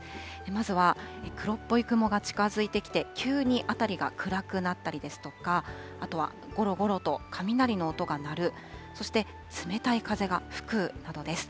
まずは黒っぽい雲が近づいてきて、急にあたりが暗くなったりですとか、あとはごろごろと雷の音が鳴る、そして冷たい風が吹くなどです。